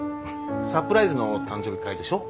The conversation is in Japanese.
サプライズの誕生日会でしょ？